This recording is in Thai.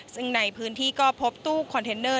ซึ่งในพื้นที่ก็พบตู้คอนเทนเนอร์